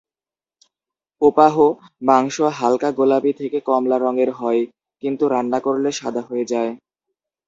ওপাহ মাংস হালকা গোলাপি থেকে কমলা রঙের হয়, কিন্তু রান্না করলে সাদা হয়ে যায়।